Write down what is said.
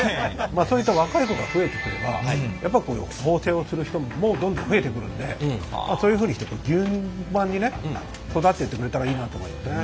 そういった若い子が増えてくれば縫製をする人もどんどん増えてくるんでそういうふうにして順番にね育ってってくれたらいいなと思いますね。